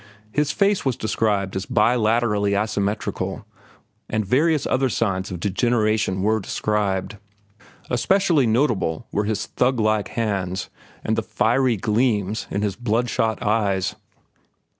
His face was described as bilaterally asymmetrical, and various other signs of degeneration were described. Especially notable were his thuglike hands and the fiery gleams in his blood shot eyes.